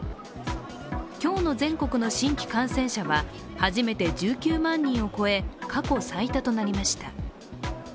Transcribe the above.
今日の全国の新規感染者は初めて１９万人を超え過去最多となりました。